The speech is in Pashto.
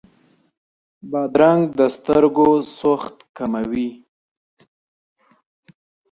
بادرنګ د سترګو سوخت ختموي.